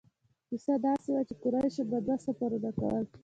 کیسه داسې وه چې قریشو به دوه سفرونه کول.